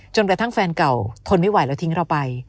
จนกระทั่งแฟนเก่าทนไม่ไหวแล้วทิ้งเราไป